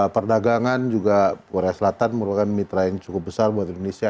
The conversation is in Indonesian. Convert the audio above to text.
perdagangan juga korea selatan merupakan mitra yang cukup besar buat indonesia